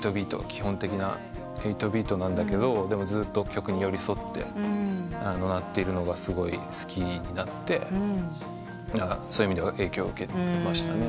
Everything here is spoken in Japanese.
基本的な８ビートなんだけどでもずっと曲に寄り添って鳴っているのがすごい好きになってそういう意味では影響を受けましたね。